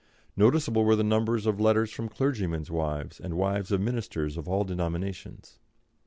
Noticeable were the numbers of letters from clergymen's wives, and wives of ministers of all denominations.